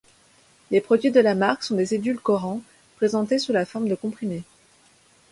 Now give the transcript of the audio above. Les produits de la marque sont des édulcorants, présentés sous la forme de comprimés.